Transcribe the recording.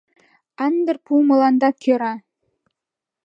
Андыр пуымыланда кӧра